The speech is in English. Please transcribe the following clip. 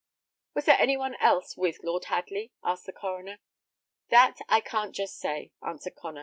"Was there any one else with Lord Hadley?" asked the coroner. "That I can't just say," answered Connor.